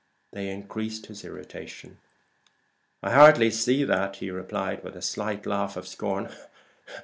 They increased his irritation. "I hardly see that," he replied, with a slight laugh of scorn.